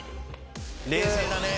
冷静だね。